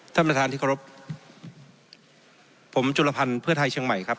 ท่านประธานที่เคารพผมจุลภัณฑ์เพื่อไทยเชียงใหม่ครับ